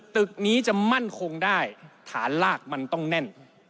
ตึกนี้จะมั่นคงได้ฐานลากมันต้องแน่น